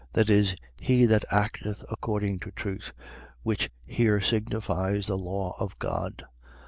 . .that is, he that acteth according to truth, which here signifies the Law of God.